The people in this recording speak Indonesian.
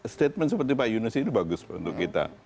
statement seperti pak yunus ini bagus untuk kita